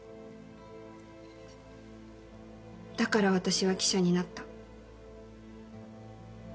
だから私は記者になった。